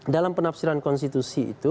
dalam penafsiran konstitusi itu